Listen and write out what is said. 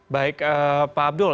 baik pak abdul